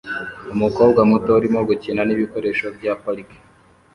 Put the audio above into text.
Umukobwa muto arimo gukina nibikoresho bya parike